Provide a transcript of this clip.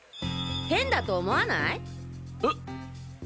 変だと思わない？えっ？